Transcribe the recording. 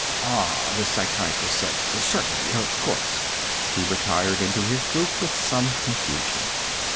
"Ah," the psychiatrist said. "Certainly. Of course." He retired into his group with some confusion.